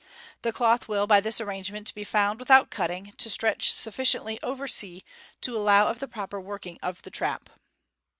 The cloth will by this arrangement be found, without cutting, to stretch sufficiently over c to allow of the proper working of the trap.